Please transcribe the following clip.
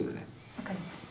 わかりました。